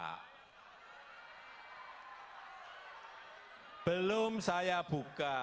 hai belum saya buka